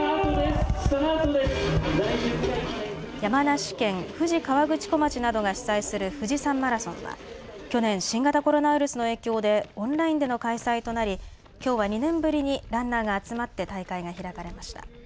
山梨県富士河口湖町などが主催する富士山マラソンは去年、新型コロナウイルスの影響でオンラインでの開催となりきょうは２年ぶりにランナーが集まって大会が開かれました。